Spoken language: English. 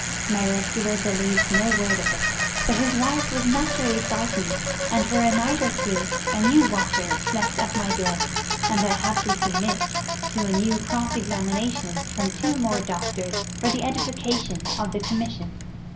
My rescuer believed no word of it; but his wife was naturally frightened, and for a night or two a new watcher slept at my door, and I had to submit to a new cross examination from two more doctors for the edification of the Commission.